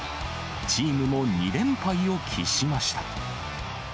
チームも２連敗を喫しました。